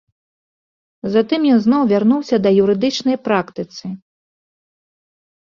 Затым ён зноў вярнуўся да юрыдычнай практыцы.